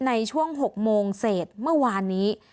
ในช่วง๖โมงเศษเมื่อวานนี้